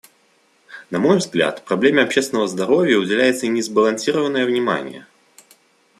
На мой взгляд, проблеме общественного здоровья уделяется несбалансированное внимание.